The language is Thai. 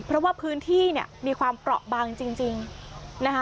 เพราะว่าพื้นที่เนี่ยมีความเปราะบางจริงนะคะ